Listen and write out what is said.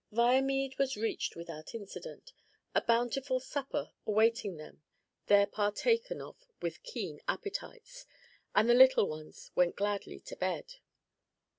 Viamede was reached without accident, a bountiful supper awaiting them there partaken of with keen appetites, and the little ones went gladly to bed.